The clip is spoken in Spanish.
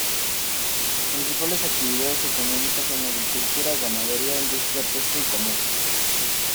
Las principales actividades económicas son agricultura, ganadería, industria, pesca y comercio.